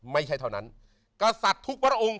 ไม่ใช่เท่านั้นกษัตริย์ทุกพระองค์